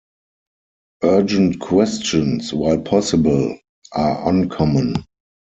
Urgent Questions, while possible, are uncommon.